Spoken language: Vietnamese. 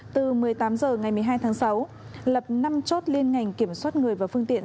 từ một mươi tám h ngày một mươi hai tháng sáu lập năm chốt liên ngành kiểm soát người và phương tiện